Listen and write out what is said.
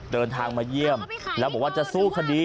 เดินทางมาเยี่ยมแล้วบอกว่าจะสู้คดี